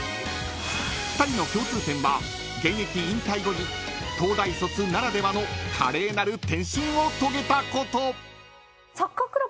［２人の共通点は現役引退後に東大卒ならではの華麗なる転身を遂げたこと］